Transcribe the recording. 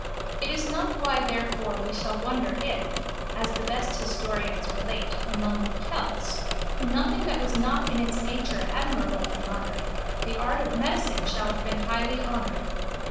It is not why therefore we shall wonder if, as the best historians relate, among the Celts, who nothing that was not in its nature admirable admired, the art of medicine shall have been highly honoured.